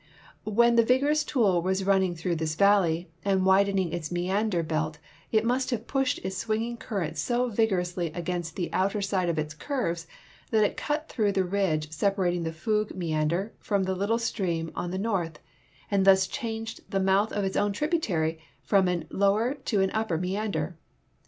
Mdien the vigorous Toul was running through this valley and widening its meander belt it must have pushed its swinging current so vigorously against the outer side of its curves that it cut through the ridge separating the Foug meander from the little stream on the north, and thus changed the mouth of its own tributary from a lower to an upi)er meander.